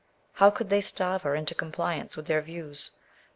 How could they starve her into compliance with their views?